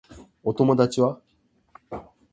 お友達は